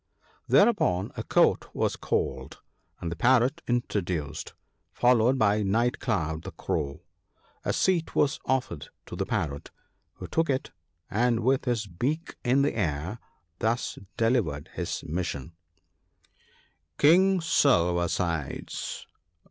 'Thereupon a Court was called, and the Parrot intro duced, followed by Night cloud the Crow. A seat was offered to the Parrot, who took it, and, with his beak in the air, thus delivered his mission :—" King Silver sides